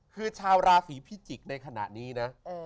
คือชาวราศีพิจิกษ์ในขณะนี้นะ